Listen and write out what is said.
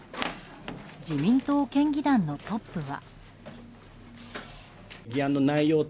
自民党県議団のトップは。